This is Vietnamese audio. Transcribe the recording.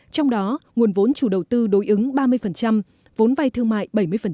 trong đó nguồn vốn chủ đầu tư đối ứng ba mươi vốn vay thương mại bảy mươi